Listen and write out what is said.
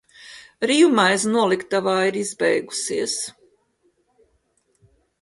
Rīvmaize noliktavā izbeigusies.